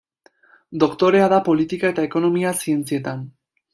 Doktorea da Politika eta Ekonomia Zientzietan.